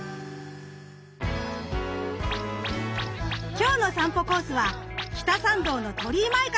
今日の散歩コースは北参道の鳥居前からスタート。